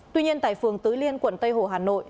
tuy nhiên tại phường tứ liên quận tây hồ hà nội